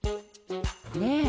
ねえ。